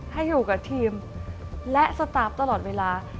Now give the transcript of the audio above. ให้อยู่กับทีมและสตาร์ฟตลอดเวลา